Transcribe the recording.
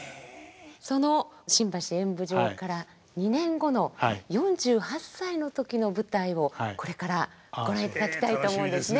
その新橋演舞場から２年後の４８歳の時の舞台をこれからご覧いただきたいと思うんですね。